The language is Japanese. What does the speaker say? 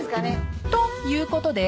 ［ということで］